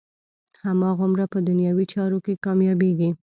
هماغومره په دنیوي چارو کې کامیابېږي.